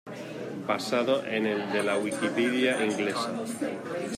Basado en el de la Wikipedia inglesa